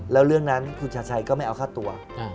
แล้วเรื่องนั้นคุณชาชัยก็ไม่เอาค่าตัว